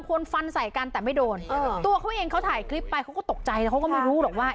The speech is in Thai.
เค้าก็ตกใจแล้วเค้าก็ไม่รู้แหละว่า